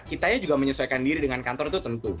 kita juga menyesuaikan diri dengan kantor itu tentu